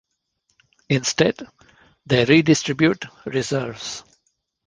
Instead, they redistribute reserves.